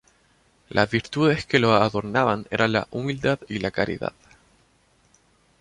Las virtudes que lo adornaban eran la humildad y la caridad.